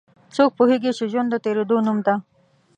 څوک پوهیږي چې ژوند د تیریدو نوم ده